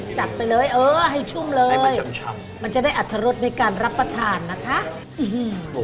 จัดไปเลยเออให้ชุ่มเลยมันจะได้อัตรรสในการรับประทานนะคะอืม